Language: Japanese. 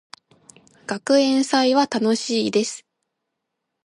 学園祭は楽しいです。